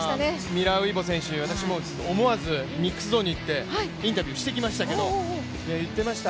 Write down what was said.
ミラーウイボ選手私、思わずミックスゾーンに行ってインタビューしてきましたけど言ってました